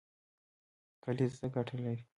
کلیزه څه ګټه لري؟